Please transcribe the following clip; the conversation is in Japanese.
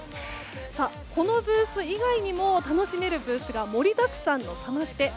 このブース以外にも楽しめるブースが盛りだくさんのサマステ。